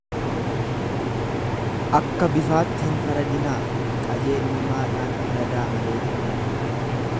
Akka bifaatti hin fardinaa, qajeelummaadhaan faradaa malee jedheen.